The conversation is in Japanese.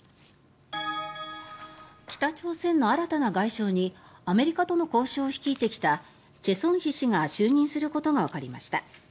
北朝鮮の新たな外相にアメリカとの交渉を率いてきたチェ・ソンヒ氏が就任することがわかりました。